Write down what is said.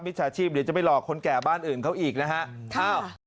ชาชีพเดี๋ยวจะไปหลอกคนแก่บ้านอื่นเขาอีกนะฮะ